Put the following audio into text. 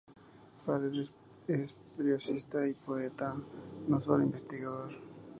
Paredes es prosista y poeta, no sólo investigador.